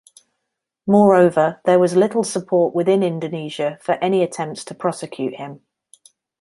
Moreover, there was little support within Indonesia for any attempts to prosecute him.